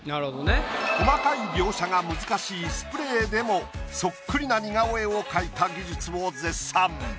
細かい描写が難しいスプレーでもそっくりな似顔絵を描いた技術を絶賛。